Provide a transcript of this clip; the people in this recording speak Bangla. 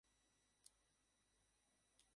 একটু বিষও মিশিয়ে দিস ওটাতে।